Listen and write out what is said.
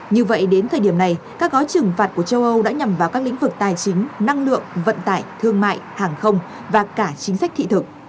như vậy đến thời điểm này các gói trừng phạt của châu âu đã nhằm vào các lĩnh vực tài chính năng lượng vận tải thương mại hàng không và cả chính sách thị thực